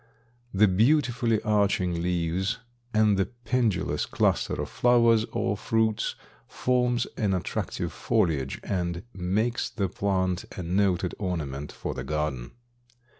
The beautifully arching leaves and the pendulous cluster of flowers or fruits forms an attractive foliage and makes the plant a noted ornament for the garden.